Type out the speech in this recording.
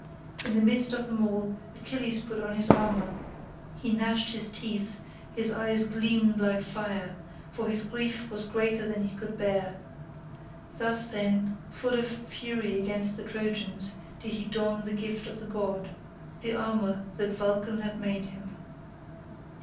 In the midst of them all Achilles put on his armour; he gnashed his teeth, his eyes gleamed like fire, for his grief was greater than he could bear. Thus, then, full of fury against the Trojans, did he don the gift of the god, the armour that Vulcan had made him.